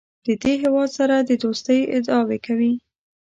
د دې هېواد سره د دوستۍ ادعاوې کوي.